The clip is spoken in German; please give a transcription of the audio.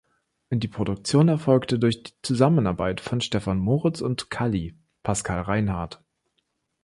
Die Produktion erfolgte durch die Zusammenarbeit von Stephan Moritz und Kalli (Pascal Reinhardt).